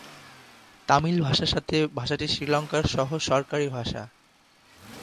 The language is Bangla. তামিল ভাষার সাথে ভাষাটি শ্রীলঙ্কার সহ-সরকারী ভাষা।